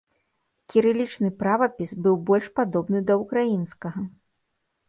Кірылічны правапіс быў больш падобны да ўкраінскага.